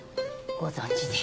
ご存じで？